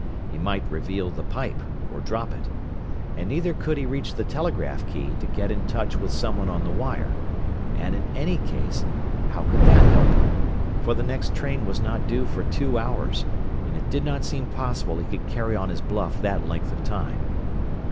He might reveal the pipe, or drop it. And neither could he reach the telegraph key, to get in touch with someone on the wire. And in any case, how could that help him? For the next train was not due for two hours, and it did not seem possible he could carry on his bluff that length of time.